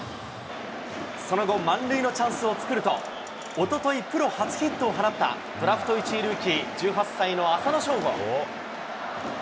その後、満塁のチャンスを作ると、おとといプロ初ヒットを放ったドラフト１位ルーキー、１８歳の浅野翔吾。